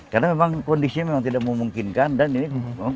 karena memang kondisinya memang tidak memungkinkan dan ini memang keberadaannya persis